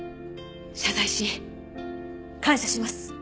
謝罪し感謝します。